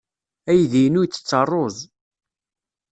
Aydi-inu yettett ṛṛuz.